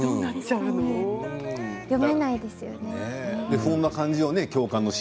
読めないですよね。